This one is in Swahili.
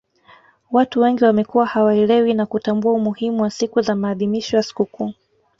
watu wengi wamekuwa hawaelewi na kutambua umuhimu wa siku za maadhimisho ya sikukuu